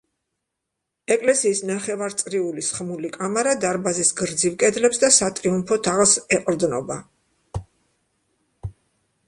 ეკლესიის ნახევარწრიული სხმული კამარა დარბაზის გრძივ კედლებს და სატრიუმფო თაღს ეყრდნობა.